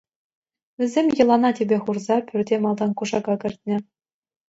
Вӗсем йӑлана тӗпе хурса пӳрте малтан кушака кӗртнӗ.